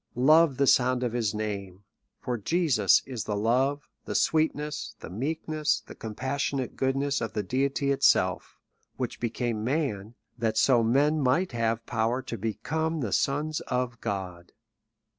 Love the sound of his name ; for Jesus is the love, the sweetness, the meekness, the compassionate goodness of the deity itself; which became man, that so men might have power to become the sons of God.